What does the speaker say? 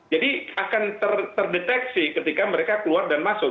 jadi akan terdeteksi ketika mereka keluar dan masuk